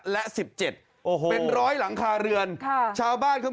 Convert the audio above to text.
และสิบเจ็ดโอ้โหเป็นร้อยหลังคาเรือนค่ะชาวบ้านเขา